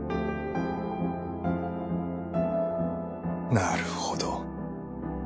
なるほど。